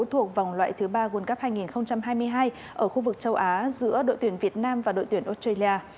thuộc vòng loại thứ ba world cup hai nghìn hai mươi hai ở khu vực châu á giữa đội tuyển việt nam và đội tuyển australia